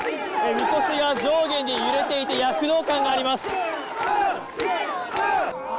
みこしが上下に揺れていて躍動感があります。